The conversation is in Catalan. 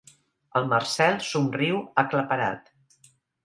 El Marcel somriu, aclaparat.